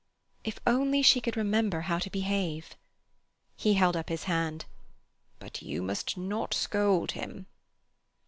If only she could remember how to behave! He held up his hand. "But you must not scold him."